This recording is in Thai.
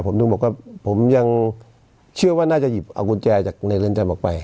ผมถึงบอกว่าผมยังเชื่อว่าน่าจะหยิบเอากุญแจจากในเรือนจำออกไป